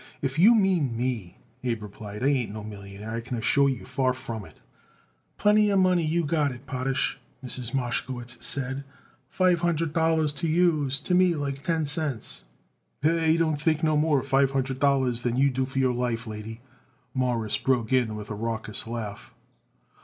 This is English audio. "If you mean me," Abe replied, "I ain't no millionaire, I can assure you. Far from it." "Plenty of money you got it, Potash," Mrs. Mashkowitz said. "Five hundred dollars to you is to me like ten cents." "He don't think no more of five hundred dollars than you do of your life, lady," Morris broke in with a raucous laugh.